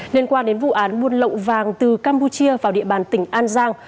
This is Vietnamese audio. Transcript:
liên quan đến vụ án buôn lậu vàng từ campuchia vào địa bàn tỉnh an giang